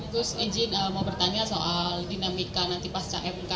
terus izin mau bertanya soal dinamika nanti pasca mk